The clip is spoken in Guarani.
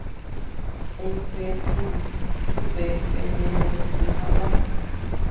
Eipepirũ chupe pejeroky hag̃ua.